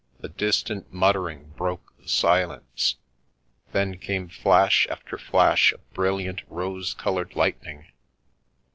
A distant muttering broke the silence; then came flash after flash of brilliant rose coloured lightning.